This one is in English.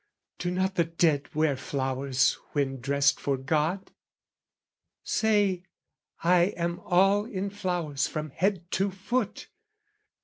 Do not the dead wear flowers when dressed for God? Say, I am all in flowers from head to foot!